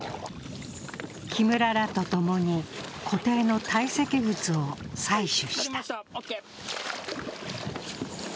木村らとともに湖底の堆積物を採取した。